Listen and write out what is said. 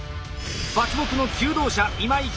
伐木の求道者今井